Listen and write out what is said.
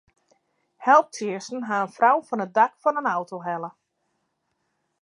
Helptsjinsten ha in frou fan it dak fan in auto helle.